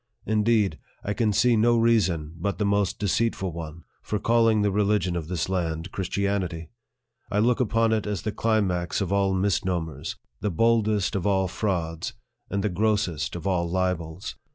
Indeed, I can see no reason, but the most deceitful one, for calling the religion of this land Christianity. I look upon it as the cli max of all misnomers, the boldest of all frauds, and the grossest of all libels.